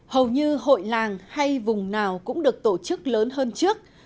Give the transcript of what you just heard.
hầu như hội làng hay vùng nào cũng được tổ chức lớn hơn trước